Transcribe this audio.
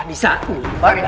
nisa aku harus bicara sama nisa